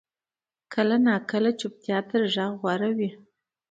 کله ناکله چپتیا تر غږ غوره وي.